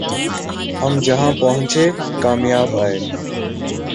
ہم جہاں پہنچے کامیاب آئے